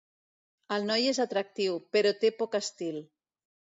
El noi és atractiu, però té poc estil.